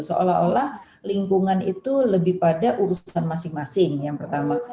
seolah olah lingkungan itu lebih pada urusan masing masing yang pertama